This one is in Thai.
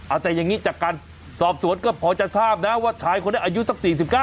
เอาแต่อย่างนี้จากการสอบสวนก็พอจะทราบนะว่าชายคนนี้อายุสัก๔๙